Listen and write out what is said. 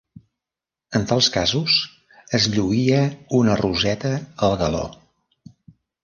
En tals casos, es lluïa una roseta al galó.